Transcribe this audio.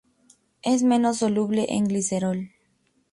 Es menos soluble en glicerol.